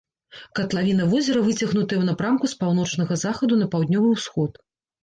Катлавіна возера выцягнутая ў напрамку з паўночнага захаду на паўднёвы ўсход.